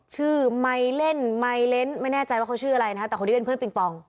ไมเล่นไมเลนส์ไม่แน่ใจว่าเขาชื่ออะไรนะคะแต่คนที่เป็นเพื่อนปิงปอง